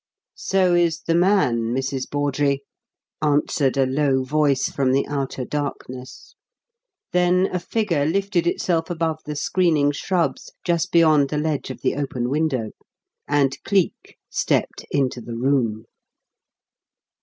"So is the man, Mrs. Bawdrey," answered a low voice from the outer darkness; then a figure lifted itself above the screening shrubs just beyond the ledge of the open window, and Cleek stepped into the room.